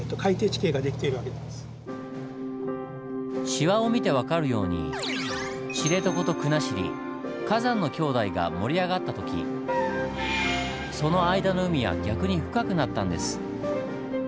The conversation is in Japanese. シワを見て分かるように知床と国後火山の兄弟が盛り上がった時その間の海は逆に深くなったんです。